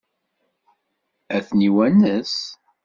Ad ten-iwanes?